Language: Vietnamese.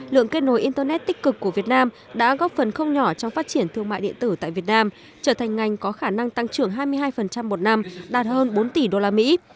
lượng kết nối internet tích cực của việt nam đã góp phần không nhỏ trong phát triển thương mại điện tử tại việt nam trở thành ngành có khả năng tăng trưởng hai mươi hai một năm đạt hơn bốn tỷ đô la mỹ